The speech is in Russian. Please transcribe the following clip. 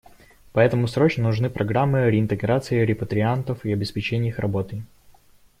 Поэтому срочно нужны программы реинтеграции репатриантов и обеспечения их работой.